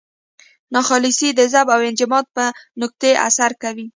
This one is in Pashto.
ناخالصې د ذوب او انجماد په نقطې اثر کوي.